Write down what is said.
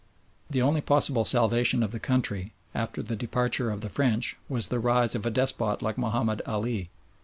The only possible salvation of the country after the departure of the French was the rise of a despot like Mahomed Ali.